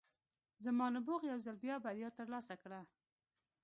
زما نبوغ یو ځل بیا بریا ترلاسه کړه